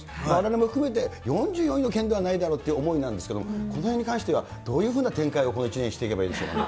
われわれも含めて、４４位の県ではないだろうという思いなんですけれども、このへんに関してはどういうふうな展開をこの一年、していけばいいでしょ